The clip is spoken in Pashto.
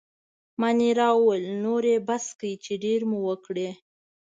مانیرا وویل: نور يې بس کړئ، چې ډېرې مو وکړې.